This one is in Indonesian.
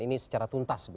ini secara tuntas